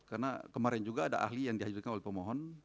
karena kemarin juga ada ahli yang dihajurkan oleh pemohon